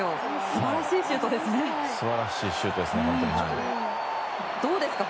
素晴らしいシュートですね。